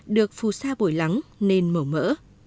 được phù sa bồi lắng nên mở mỡ